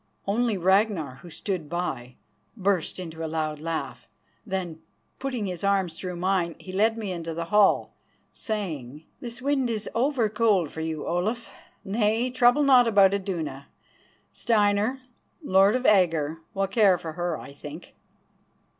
Only Ragnar, who stood by, burst into a loud laugh. Then, putting his arm through mine, he led me into the hall, saying: "This wind is over cold for you, Olaf. Nay, trouble not about Iduna. Steinar, Lord of Agger, will care for her, I think."